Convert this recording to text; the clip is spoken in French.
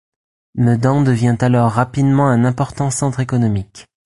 Medan devient alors rapidement un important centre économique.